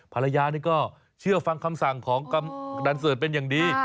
ภรรยานี่ก็เชื่อฟังคำสั่งของกำดันเสิร์ตเป็นอย่างดี